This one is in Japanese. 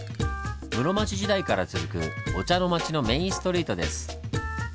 室町時代から続くお茶の町のメインストリートです。